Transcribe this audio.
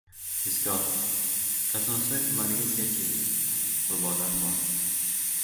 Tezkor: Kosonsoy tumaniga sel kelgan. Qurbonlar bor